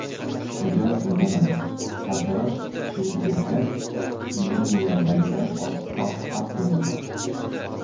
Mijoz indamadi. Sartarosh ishini tugatgach, unga meʼyordagidan ortiqroq haq toʻladi.